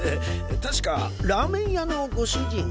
確かラーメン屋のご主人。